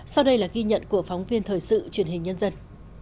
sau đây là ghi nhận của phóng viên thời sự truyền hình nhân dân